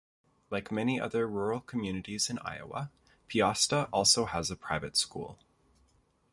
Like many other rural communities in Iowa, Peosta also has a private school.